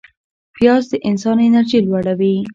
پیاز د انسان انرژي لوړوي